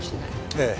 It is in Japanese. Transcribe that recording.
ええ。